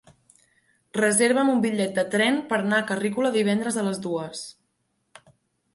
Reserva'm un bitllet de tren per anar a Carrícola divendres a les dues.